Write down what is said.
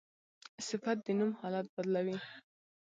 صفت د نوم حالت بدلوي.